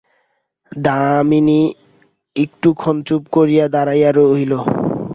দামিনী একটুক্ষণ চুপ করিয়া দাঁড়াইয়া রহিল।